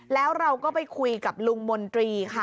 แล้วเราก็ไปคุยกับลุงมนตรีค่ะ